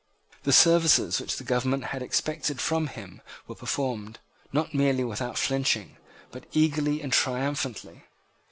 The services which the government had expected from him were performed, not merely without flinching, but eagerly and triumphantly.